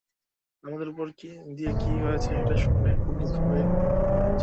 আপনাদের উপর দিয়ে কী গিয়েছে সেটা শুনে খুবই দুঃখ পেয়েছি।